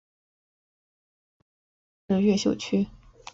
太和岗位于中国广州市越秀区。